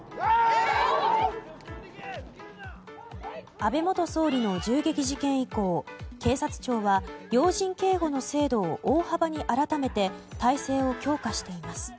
安倍元総理の銃撃事件以降警察庁は要人警護の制度を大幅に改めて体制を強化しています。